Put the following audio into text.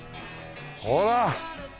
ほら！